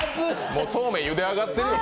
もうそうめんゆで上がってるよ。